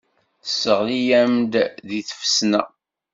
Tesseɣli-am deg tfesna.